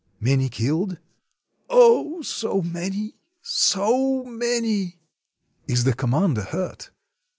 "Many killed?" "Oh, so many — so many! " "Is the commander hurt?"